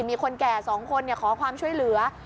มีคนแก่๒คนขอความช่วยเหลือ